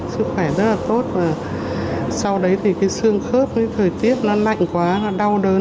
sức khỏe rất là tốt và sau đấy thì cái xương khớp với thời tiết nó lạnh quá nó đau đớn